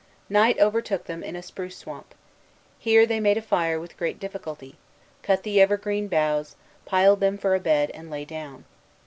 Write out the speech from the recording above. Night overtook them in a spruce swamp. Here they made a fire with great difficulty, cut the evergreen boughs, piled them for a bed, and lay down.